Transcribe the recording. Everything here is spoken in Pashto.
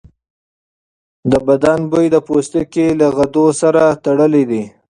د بدن بوی د پوستکي له غدو سره تړلی دی.